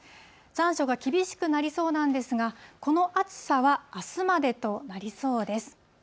残暑が厳しくなりそうなんですが、この暑さはあすまでとなりそうです。